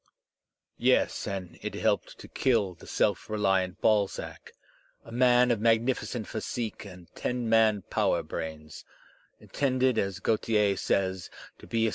Yes, and it helped to kill the self reliant Balzac, a man of magnificent physique and ten man power brains, intended, as Gautier says, to be a cen Digitized by Google f.